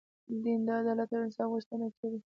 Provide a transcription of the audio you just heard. دین د عدالت او انصاف غوښتنه کوي.